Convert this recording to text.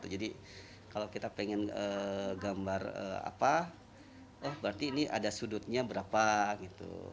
jadi kalau kita pengen gambar apa berarti ini ada sudutnya berapa gitu